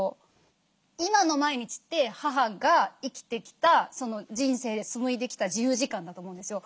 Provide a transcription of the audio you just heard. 今の毎日って母が生きてきたその人生で紡いできた自由時間だと思うんですよ。